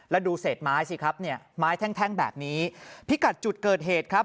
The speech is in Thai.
แล้วดูเศษไม้สิครับเนี่ยไม้แท่งแท่งแบบนี้พิกัดจุดเกิดเหตุครับ